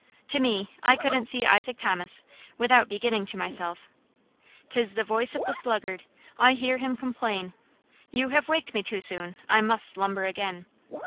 To save me I couldn't see Isaac Thomas without beginning to myself: "'Tis the voice of the sluggard; I hear him complain, You have waked me too soon, I must slumber again.